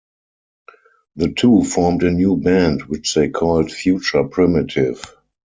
The two formed a new band which they called Future Primitive.